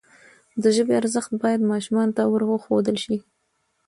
د ژبي ارزښت باید ماشومانو ته وروښودل سي.